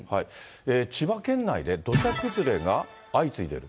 千葉県内で土砂崩れが相次いでいる？